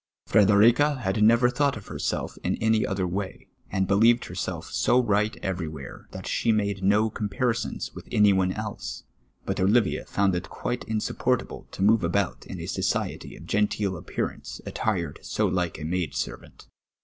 Frederica had never thought of herself in any other way, and believed herself so right ever\'where, that she made no compa risons with any one else ; but Olivia found it quite insu])j)oi*t able to move about in a society of genteel appearance attired 80 like a maid servant.